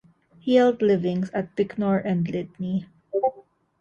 He held livings at Bicknor and Lydney.